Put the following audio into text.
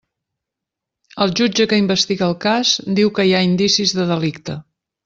El jutge que investiga el cas diu que hi ha indicis de delicte.